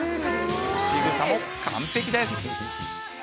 しぐさも完璧です。